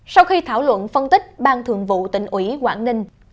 sau khi thảo luận phân tích bang thượng vụ tỉnh ủy quảng đình